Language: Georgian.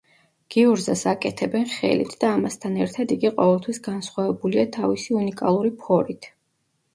გიურზას აკეთებენ ხელით და ამასთან ერთად იგი ყოველთვის განსხვავებულია თავისი უნიკალური ფორით.